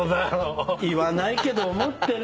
言わないけど思ってるの。